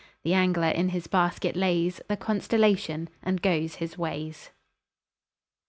The angler in his basket lays The constellation, and goes his ways.